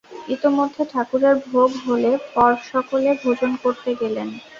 ইতোমধ্যে ঠাকুরের ভোগ হলে পর সকলে ভোজন করতে গেলেন।